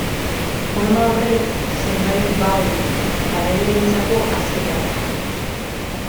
Horma horrek zenbait bao ditu abereentzako asketarako.